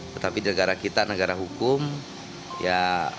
tetapi negara kita negara hukum ya